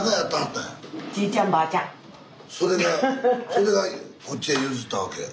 それがこっちへ譲ったわけ。